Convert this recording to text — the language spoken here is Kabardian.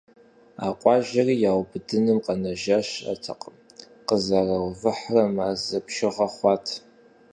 А къуажэри яубыдыным къэнэжа щыӀэтэкъым – къызэраувыхьрэ мазэ бжыгъэ хъуат.